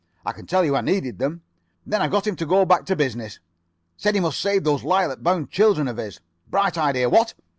I can tell you I needed them. Then I got him to go back to business. Said he must save those lilac bound children of his. Bright idea, what?